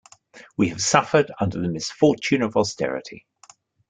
We have suffered under the misfortune of austerity.